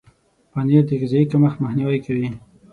پنېر د غذایي کمښت مخنیوی کوي.